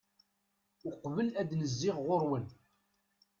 uqbel ad n-zziɣ ɣur-wen